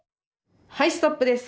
はいストップです。